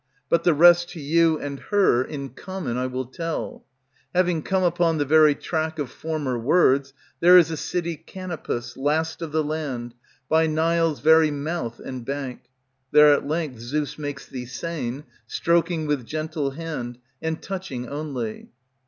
But the rest to you and her in common I will tell, Having come upon the very track of former words. There is a city Canopus, last of the land, By Nile's very mouth and bank; There at length Zeus makes thee sane, Stroking with gentle hand, and touching only.